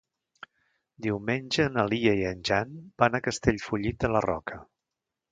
Diumenge na Lia i en Jan van a Castellfollit de la Roca.